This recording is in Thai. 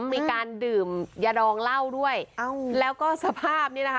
มีการดื่มยาดองเหล้าด้วยแล้วก็สภาพนี้นะคะ